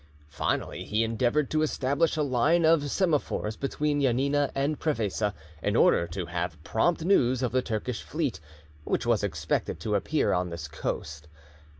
Finally, he endeavoured to establish a line of semaphores between Janina and Prevesa, in order to have prompt news of the Turkish fleet, which was expected to appear on this coast.